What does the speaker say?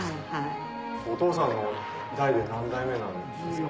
お父さんの代で何代目なんですか？